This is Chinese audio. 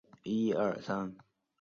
是一小分子细胞因子家族蛋白。